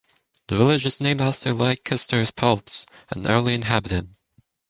The village is named after Leicester Phelps, an early inhabitant.